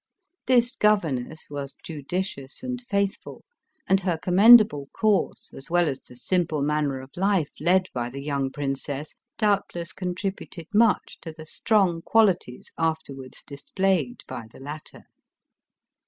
This governess was judicious and faith ful, and her commendable course as well as the simple manner of life led by the young princess, doubtless contributed much to the strong qualities afterwards dis played by the latter.